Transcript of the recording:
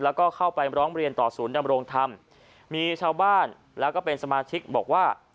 แล้วก็เข้าไปร้องเรียนต่อศูนย์ดำรงธรรมมีชาวบ้านแล้วก็เป็นสมาชิกบอกว่า